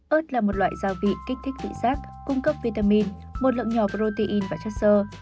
ớt là một loại gia vị kích thích thị giác cung cấp vitamin một lượng nhỏ protein và chất sơ